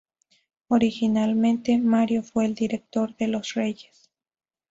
Originalmente, Mario fue el director de Los Reyes.